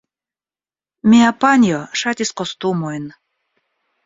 Mia panjo ŝatis kostumojn.